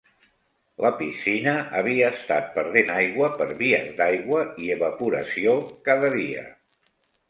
La piscina havia estat perdent aigua per vies d'aigua i evaporació cada dia.